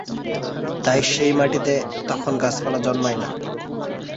তাই সেই মাটিতে তখন গাছপালা জন্মায় না।